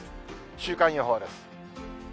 週間予報です。